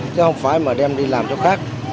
chứ không phải mà đem đi làm chỗ khác